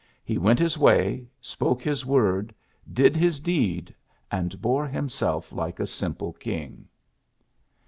He went his way, spoke his word, did his deed, and bore himself like a simple king."